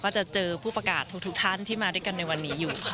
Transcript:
ก็จะเจอผู้ประกาศทุกท่านที่มาด้วยกันในวันนี้